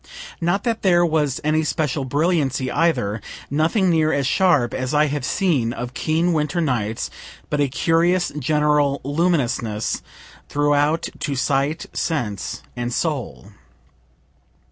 Not that there was any special brilliancy either nothing near as sharp as I have seen of keen winter nights, but a curious general luminousness throughout to sight, sense, and soul.